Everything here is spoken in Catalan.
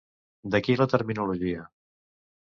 D'aquí la terminologia.